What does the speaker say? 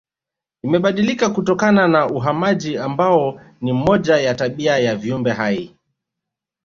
Imebadilika kutokana na uhamaji ambao ni moja ya tabia ya viumbe hai